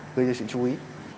rất là đáng chú ý